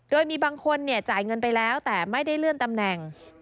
โดยมีบางคนจ่ายเงินไปแล้วแต่ไม่ได้เลื่อนตำแหน่ง